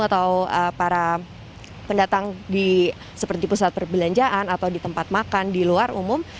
atau para pendatang seperti pusat perbelanjaan atau di tempat makan di luar umum